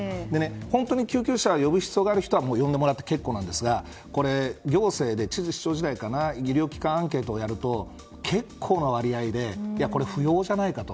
本当に救急車を呼ぶ必要がある人はもう呼んでもらって結構ですが行政で知事、市長時代に医療機関アンケートをやると結構な割合でこれ、不要じゃないかと。